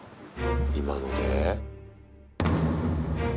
今ので？